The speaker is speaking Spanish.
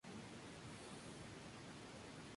Entre ellos, está una niña rubia.